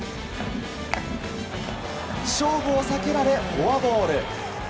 勝負を避けられ、フォアボール。